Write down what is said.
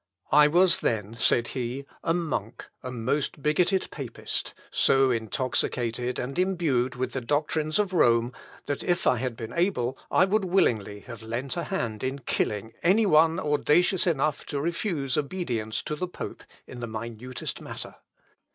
"I was then," said he, "a monk, a most bigoted Papist, so intoxicated and imbued with the doctrines of Rome, that if I had been able I would willingly have lent a hand in killing any one audacious enough to refuse obedience to the pope in the minutest matter.